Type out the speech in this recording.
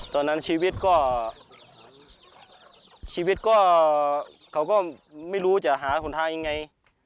ตอนนั้นชีวิตก็ไม่รู้จะหาทางยังไง